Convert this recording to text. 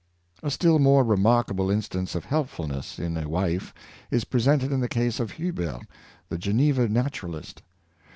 A still more remarkable instance of helpfulness in a wife is presented in the case of Huber the Geneva naturalist.